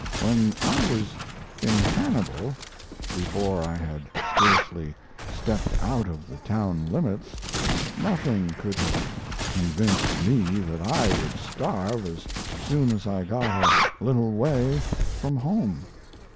When I was in Hannibal, before I had scarcely stepped out of the town limits, nothing could have convinced me that I would starve as soon as I got a little way from home.